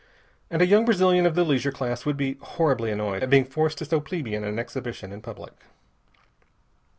And a young Brazilian of the leisure class would be horribly annoyed at being forced to so plebeian an exhibition in public.